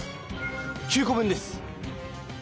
９こ分です！